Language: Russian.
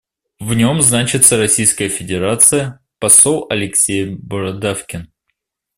В нем значится Российская Федерация, посол Алексей Бородавкин.